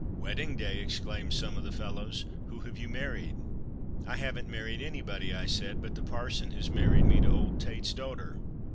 'Wedding day,' exclaimed some of the fellows, 'Who have you married?' 'I haven't married anybody,' I said, 'but the parson has married me to old Tate's daughter!'